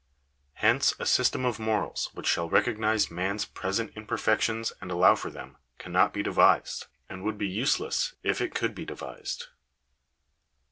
Hence a system of morals which shall recognise man's present imperfections and allow for them, cannot be devised ; and would be useless if it could be de vised.